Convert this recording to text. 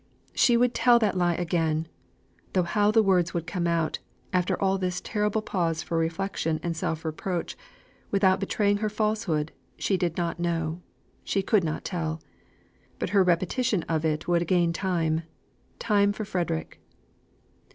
she would tell that lie again; though how the words would come out, after all this terrible pause for reflection and self reproach, without betraying her falsehood, she did not know, she could not tell. But her repetition of it would gain time time for Frederick.